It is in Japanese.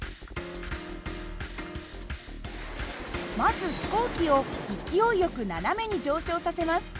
まず飛行機を勢いよく斜めに上昇させます。